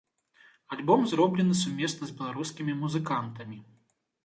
Альбом зроблены сумесна з беларускімі музыкантамі.